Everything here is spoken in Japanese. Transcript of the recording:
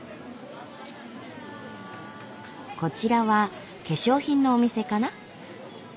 こちらは化粧品のお店かな？